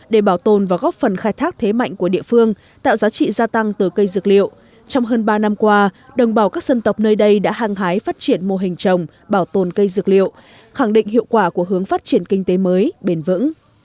để bảo tồn và góp phần khai thác thế mạnh của địa phương tạo giá trị gia tăng từ cây dược liệu trong hơn ba năm qua đồng bào các dân tộc nơi đây đã hàng hái phát triển mô hình trồng bảo tồn cây dược liệu khẳng định hiệu quả của hướng phát triển kinh tế mới bền vững